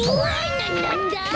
ななんだ？